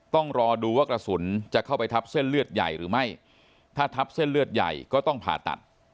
ต้องรอดูว่ากระสุนจะเข้าไปทับเส้นเลือดใหญ่หรือไม่ถ้าทับเส้นเลือดใหญ่ก็ต้องผ่าตัด